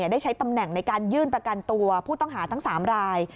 ได้ใช้ตำแหน่งในการยื่นประกันตัวผู้ต้องหาทั้ง๓ราย